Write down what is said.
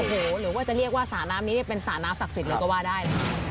โอ้โหหรือว่าจะเรียกว่าสระน้ำนี้จะเป็นสระน้ำศักดิ์สิทธิ์เลยก็ว่าได้